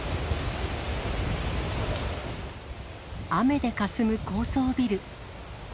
雨でかすむ高層ビル。